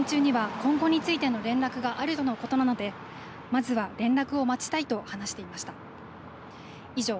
午前中には今後についての連絡があるとのことなのでまずは連絡を待ちたいと話していました。